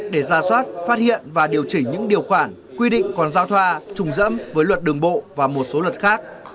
để ra soát phát hiện và điều chỉnh những điều khoản quy định còn giao thoa trùng dẫm với luật đường bộ và một số luật khác